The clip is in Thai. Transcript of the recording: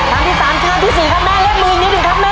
ตามที่๓ทางที่๔ครับแม่เร็กมือนิดหนึ่งครับแม่